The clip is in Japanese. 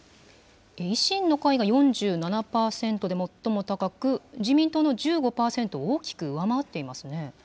維新の会が４７％で最も高く、自民党の１５％を大きく上回っていますね。